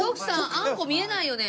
あんこ見えないよね。